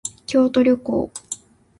京都旅行